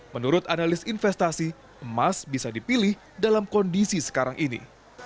menurut analis investasi emas bisa dipilih dalam kondisi sekarang ini